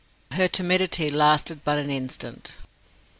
Her timidity lasted but an instant.